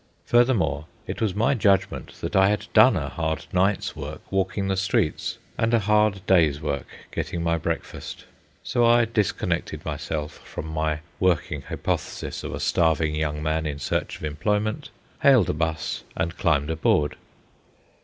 Furthermore, it was my judgment that I had done a hard night's work walking the streets, and a hard day's work getting my breakfast; so I disconnected myself from my working hypothesis of a starving young man in search of employment, hailed a bus, and climbed aboard.